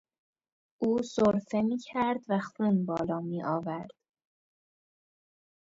او سرفه میکرد و خون بالا میآورد.